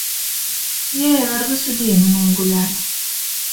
Jei var vysu dīnu nūgulēt.